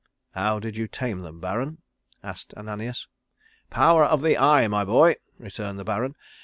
"How did you tame them, Baron," asked Ananias. "Power of the eye, my boy," returned the Baron.